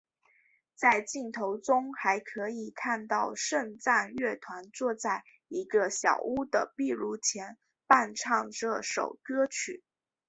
在镜头中还可以看到圣战乐团坐在一个小屋的壁炉前伴唱这首歌曲。